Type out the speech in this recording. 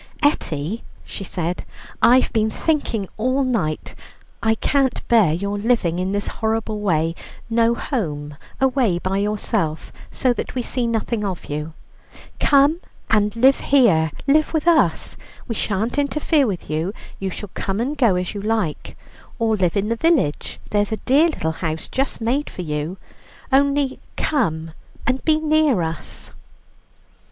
"Etty," she said, "I've been thinking all night; I can't bear your living in this horrible way: no home, away by yourself, so that we see nothing of you. Come and live here, live with us. We shan't interfere with you; you shall come and go as you like. Or live in the village, there is a dear little house just made for you. Only come and be near us."